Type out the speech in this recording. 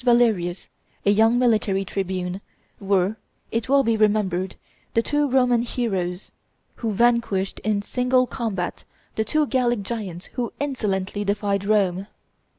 Valerius, a young military tribune, were, it will be remembered, the two Roman heroes who vanquished in single combat the two Gallic giants who insolently defied Rome.